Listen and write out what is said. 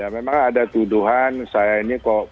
memang ada tuduhan saya ini kok